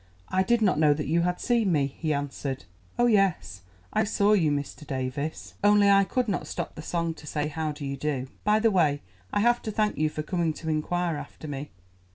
"I did not know that you had seen me," he answered. "Oh, yes, I saw you, Mr. Davies, only I could not stop the song to say how do you do. By the way, I have to thank you for coming to inquire after me."